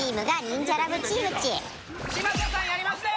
嶋佐さんやりましたよ！